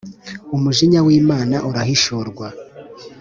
Umujinya w Imana urahishurwa